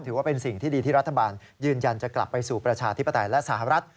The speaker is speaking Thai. ถือว่าเป็นสิ่งที่ดีที่รัฐบาลยืนยันจะกลับไปสู่ประชาธิปไตยและสหรัฐ